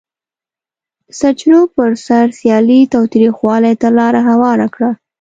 د سرچینو پر سر سیالي تاوتریخوالي ته لار هواره کړه.